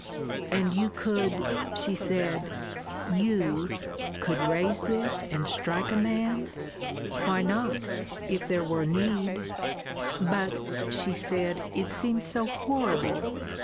"And you could," she said, "you could raise this and strike a man?" "Why not? If there were need." "But," she said, "it seems so horrible.